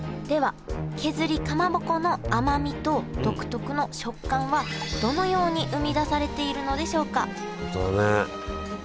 では削りかまぼこの甘みと独特の食感はどのように生み出されているのでしょうか